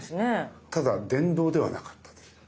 ただ電動ではなかったんですよ。